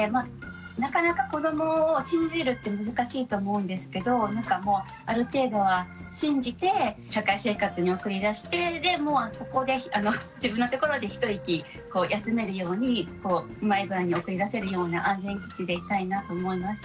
なかなか子どもを信じるって難しいと思うんですけどなんかもうある程度は信じて社会生活に送り出してでもうここで自分のところで一息休めるようにうまい具合に送り出せるような安全基地でいたいなと思いました。